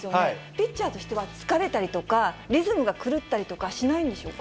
ピッチャーとしては疲れたりとか、リズムが狂ったりとかしないんでしょうか。